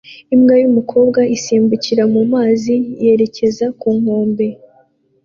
imbwa yumukobwa isimbukira mumazi yerekeza ku nkombe